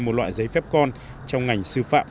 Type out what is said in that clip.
một loại giấy phép con trong ngành sư phạm